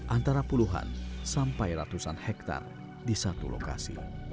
antara puluhan sampai ratusan hektare di satu lokasi